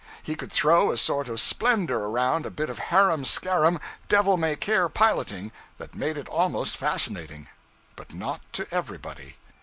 He could throw a sort of splendor around a bit of harum scarum, devil may care piloting, that made it almost fascinating but not to everybody.